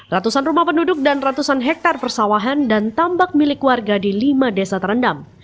ratusan rumah penduduk dan ratusan hektare persawahan dan tambak milik warga di lima desa terendam